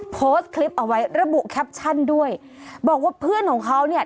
โพสต์คลิปเอาไว้ระบุแคปชั่นด้วยบอกว่าเพื่อนของเขาเนี่ย